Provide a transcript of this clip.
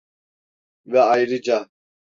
Ve ayrıca…